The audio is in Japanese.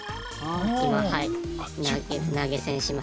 今はい投げ銭しまして。